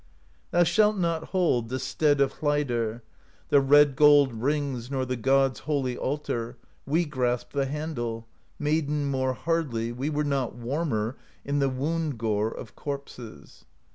'Thou shalt not hold The stead of Hleidr, The red gold rings Nor the gods' holy altar; We grasp the handle, Maiden, more hardly, — We were not warmer In the wound gore of corpses.